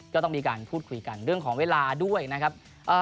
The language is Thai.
ก็ต้องมีการพูดคุยกันเรื่องของเวลาด้วยนะครับ